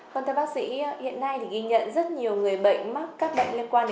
còn theo bác sĩ hiện nay ghi nhận rất nhiều người bệnh mắc các bệnh liên quan